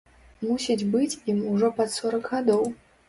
Мусіць быць ім ужо пад сорак гадоў!